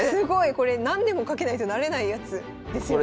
これ何年もかけないとなれないやつですよね。